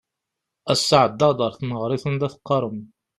Ass-a ɛeddaɣ-d ɣer tneɣrit anda teqqarem.